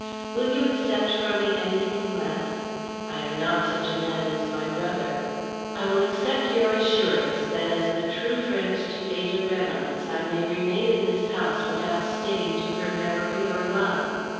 Will you accept from me any thing less. I am not such a man as my brother." "I will accept your assurance that as the true friend to Ada Reynolds I may remain in this house without stain to her memory or love."